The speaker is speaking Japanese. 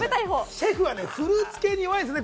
シェフはフルーツ系に弱いんですよね。